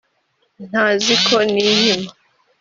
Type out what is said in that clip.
ntazi ko nihima